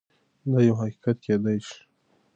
دا يو حقيقت کيدای شي.